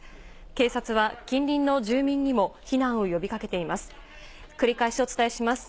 警察は、近隣の住民にも避難を呼びかけています。